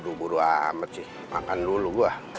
aduh buru amat sih makan dulu gua